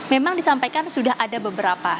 memang disampaikan sudah ada beberapa